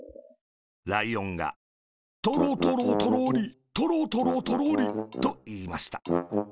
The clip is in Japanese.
ライオンが「トロトロトロリ、トロトロ、トロリ。」と、いいました。